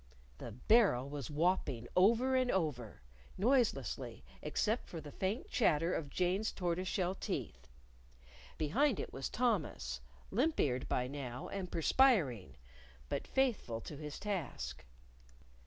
The barrel was whopping over and over noiselessly, except for the faint chatter of Jane's tortoise shell teeth. Behind it was Thomas, limp eared by now, and perspiring, but faithful to his task.